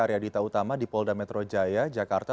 arya dita utama di polda metro jaya jakarta